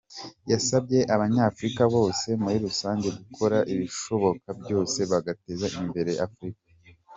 Yasabye abanyafurika bose muri rusange gukora ibishoboka byose bagateza imbere Afurika.